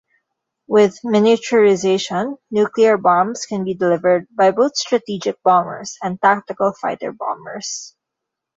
With miniaturization, nuclear bombs can be delivered by both strategic bombers and tactical fighter-bombers.